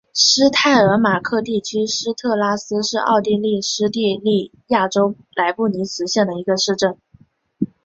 施泰尔马克地区施特拉斯是奥地利施蒂利亚州莱布尼茨县的一个市镇。